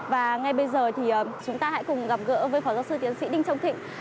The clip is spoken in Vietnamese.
và ngay bây giờ thì chúng ta hãy cùng gặp gỡ với phó giáo sư tiến sĩ đinh trọng thịnh